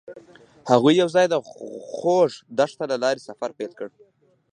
هغوی یوځای د خوږ دښته له لارې سفر پیل کړ.